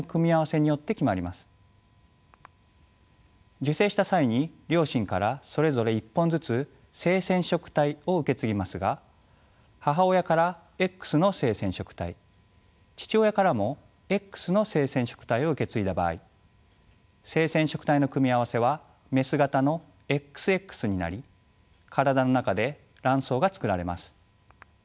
受精した際に両親からそれぞれ１本ずつ性染色体を受け継ぎますが母親からＸの性染色体父親からもＸの性染色体を受け継いだ場合性染色体の組み合わせはメス型のＸＸになり体の中で卵巣が作られます。